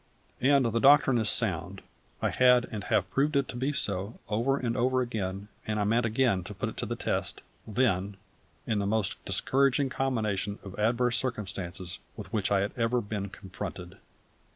And the doctrine is sound; I had and have proved it to be so, over and over again, and I meant again to put it to the test, then, in the most discouraging combination of adverse circumstances with which I had ever been confronted.